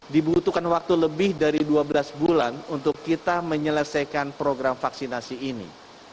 dibutuhkan waktu lebih dari dua belas bulan untuk kita menyelesaikan program vaksinasi ini